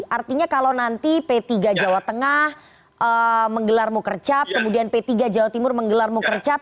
artinya kalau nanti p tiga jawa tengah menggelar mukercap kemudian p tiga jawa timur menggelar mukercap